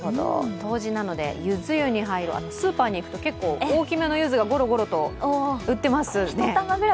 冬至なのでゆず湯に入るスーパーに行くと結構大きめのゆずがごろごろと打っていますね。